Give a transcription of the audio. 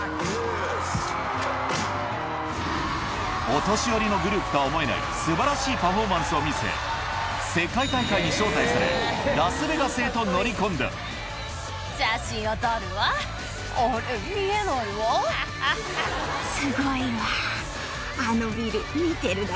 お年寄りのグループとは思えない素晴らしいパフォーマンスを見せ世界大会に招待されラスベガスへと乗り込んだすごいわ。